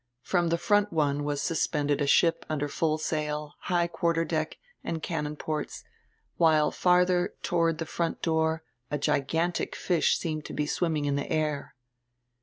From die front one was suspended a ship under full sail, high quarter deck, and cannon ports, while farther toward die front door a gigantic fish seemed to be swimming in die air.